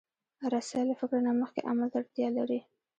رسۍ له فکر نه مخکې عمل ته اړتیا لري.